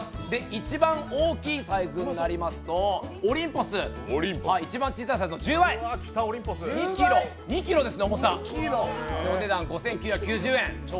一番大きいサイズになりますとオリンポス、一番大きいサイズ２ｋｇですね、重さ、お値段５９９０円。